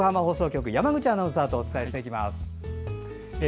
横浜放送局の山口アナウンサーとお伝えします。